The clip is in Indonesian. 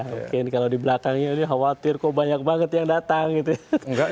mungkin kalau di belakangnya ini khawatir kok banyak banget yang datang gitu ya